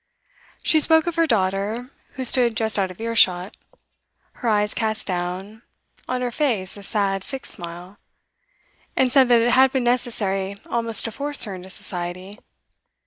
She spoke of her daughter, who stood just out of earshot, her eyes cast down, on her face a sad fixed smile, and said that it had been necessary almost to force her into society.